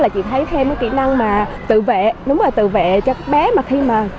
chị thấy thêm cái kỹ năng mà tự vệ đúng là tự vệ cho bé mà khi mà